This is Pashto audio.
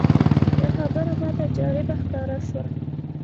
یوه خبره ماته جالبه ښکاره شوه.